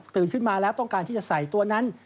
ขึ้นมาแล้วต้องการที่จะใส่ตัวนั้น